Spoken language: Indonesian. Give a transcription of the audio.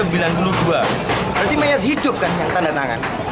berarti mayat hidup kan yang tanda tangan